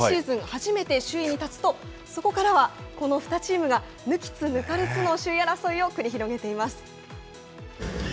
初めて首位に立つと、そこからはこの２チームが、抜きつ抜かれつの首位争いを繰り広げています。